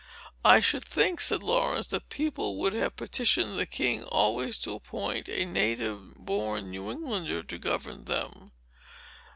"I should think," said Laurence, "that the people would have petitioned the king always to appoint a native born New Englander to govern them."